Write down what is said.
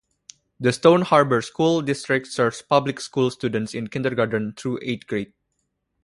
The Stone Harbor School District serves public school students in kindergarten through eighth grade.